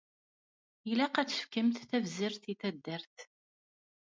Ilaq ad tefkemt tabzert i taddart.